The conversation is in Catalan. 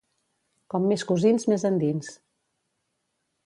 Com més cosins més endins